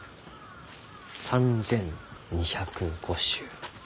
３，２０５種。